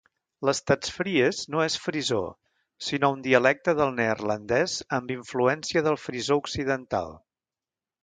L'stadsfries no és frisó sinó un dialecte del neerlandès amb influència del frisó occidental.